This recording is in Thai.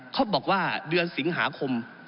เขาบอกว่าเดือนสิงหาคม